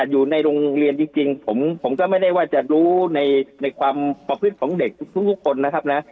อยู่ในโรงเรียนจริงผมก็ไม่ได้ว่าจะรู้ในความประพฤติของเด็กทุกคนนะครับนะ